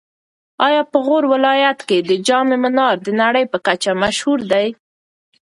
ایا په غور ولایت کې د جام منار د نړۍ په کچه مشهور دی؟